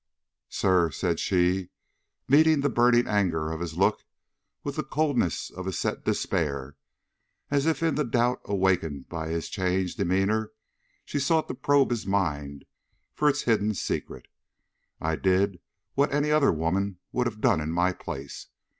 "Sir," said she, meeting the burning anger of his look with the coldness of a set despair, as if in the doubt awakened by his changed demeanor she sought to probe his mind for its hidden secret, "I did what any other woman would have done in my place.